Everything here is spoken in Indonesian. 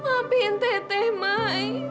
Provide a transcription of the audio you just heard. maafin teteh maya